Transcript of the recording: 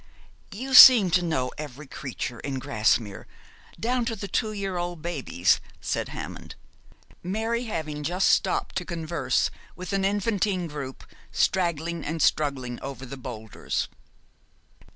'You seem to know every creature in Grasmere, down to the two year old babies,' said Hammond, Mary having just stopped to converse with an infantine group, straggling and struggling over the boulders.